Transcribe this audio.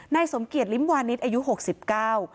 นายสมเกียจลิ้มวานิสอายุหกสิบเก้า